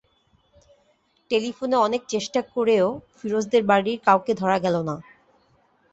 টেলিফোনে অনেক চেষ্টা করেও ফিরোজদের বাড়ির কাউকে ধরা গেল না।